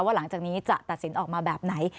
หลังจากนี้จะตัดสินออกมาแบบไหน